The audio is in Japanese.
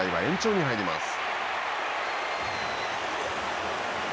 試合は延長に入ります。